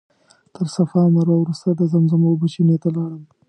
تر صفا او مروه وروسته د زمزم اوبو چینې ته لاړم.